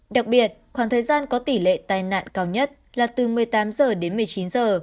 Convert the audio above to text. đặc biệt khoảng thời gian có tỷ lệ tai nạn cao nhất là từ một mươi tám giờ đến một mươi chín giờ